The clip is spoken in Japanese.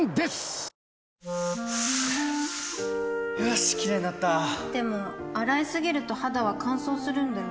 よしキレイになったでも、洗いすぎると肌は乾燥するんだよね